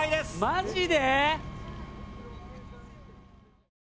マジで？